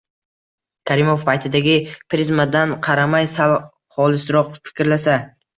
Karimov paytidagi prizmadan qaramay, sal xolisroq fikrlasa